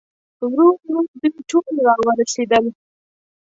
ورو ورو دوی ټول راورسېدل.